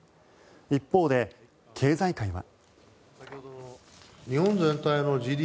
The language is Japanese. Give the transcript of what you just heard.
一方で経済界は。